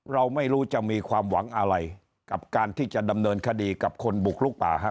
เราไม่รู้จะมีความหวังอะไรกับการที่จะดำเนินคดีกับคนบุกลุกป่าฮะ